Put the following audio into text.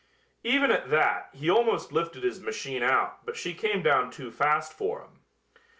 Even at that he almost lifted his machine out but she came down too fast for him.